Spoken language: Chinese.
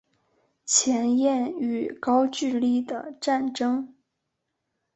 前燕与高句丽的战争